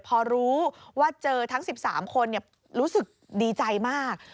พอรู้ว่าเจอทั้ง๑๓คนรู้สึกดีใจมาก